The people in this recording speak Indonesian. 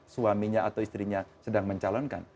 suaminya atau istrinya sedang mencalonkan